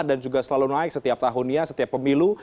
dan juga selalu naik setiap tahunnya setiap pemilu